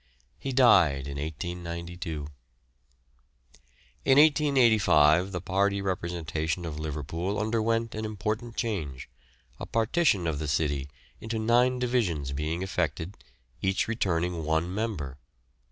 He died in 1892. In 1885 the party representation of Liverpool underwent an important change, a partition of the city into nine divisions being effected, each returning one member.